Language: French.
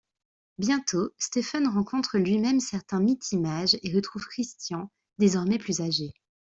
Bientôt, Stephen rencontre lui-même certains Mythimages et retrouve Christian désormais plus âgé.